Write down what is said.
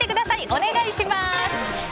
お願いします。